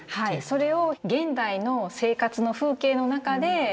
それを現代の生活の風景の中で置き直してる。